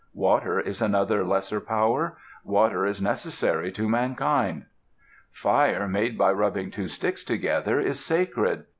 Water is another lesser power. Water is necessary to mankind. Fire made by rubbing two sticks together is sacred.